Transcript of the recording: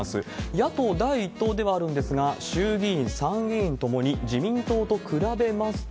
野党第１党ではあるんですが、衆議院、参議院ともに、自民党と比べますと、